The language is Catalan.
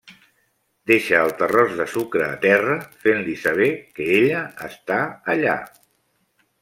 Deixa el terròs de sucre a terra, fent-li saber que ella està allà.